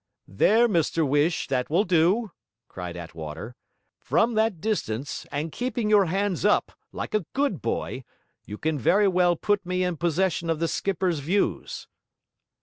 'There, Mr Whish. That will do,' cried Attwater. 'From that distance, and keeping your hands up, like a good boy, you can very well put me in possession of the skipper's views.'